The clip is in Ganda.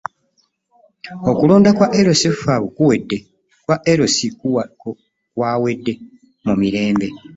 Okulonda kwa LC Kwawedde mu mirembe .